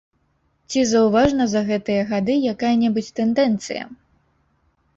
Ці заўважна за гэтыя гады якая-небудзь тэндэнцыя?